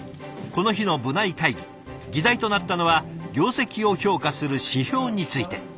この日の部内会議議題となったのは業績を評価する指標について。